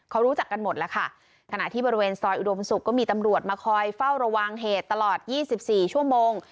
เขารู้จักกันหมดแล้วค่ะขณะที่บริเวณซอยอุดมศุกร์ก็มีตำรวจมาคอยเฝ้าระวังเหตุตลอด๒๔ชั่วโมง